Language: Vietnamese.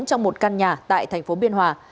trong một căn nhà tại thành phố biên hòa